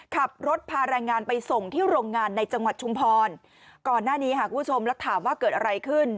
ขับรถพาแรงงานไปส่งที่โรงงานในจังหวัดชุมพรก่อนหน้านี้ค่ะคุณผู้ชมแล้วถามว่าเกิดอะไรขึ้น